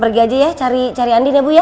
pergi aja ya cari andin ya bu ya